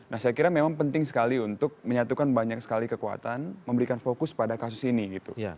nah saya kira memang penting sekali untuk menyatukan banyak sekali kekuatan memberikan fokus pada kasus ini gitu